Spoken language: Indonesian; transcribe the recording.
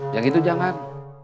yang itu jangan